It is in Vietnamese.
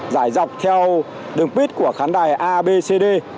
giải dọc theo đường pit của khán đài abcd